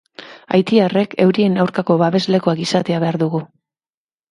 Haitiarrek eurien aurkako babeslekuak izatea behar dugu.